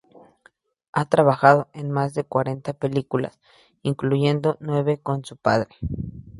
Ha trabajado en más de cuarenta películas, incluyendo nueve con su padre.